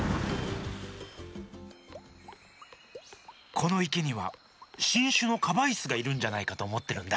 このいけにはしんしゅのカバイスがいるんじゃないかとおもってるんだ。